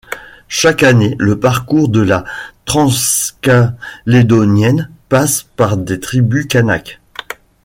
Chaque année, le parcours de la transcalédonienne passe par des tribus Kanaks.